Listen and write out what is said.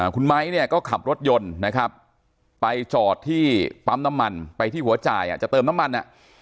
คุณไม้เนี่ยก็ขับรถยนต์นะครับไปจอดที่ปั๊มน้ำมันไปที่หัวจ่ายจะเติมน้ำมัน